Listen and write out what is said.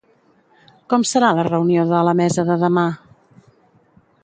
Com serà la reunió de la mesa de demà?